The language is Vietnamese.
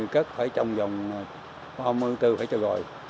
cất phải trong vòng hai mươi bốn phải cho rồi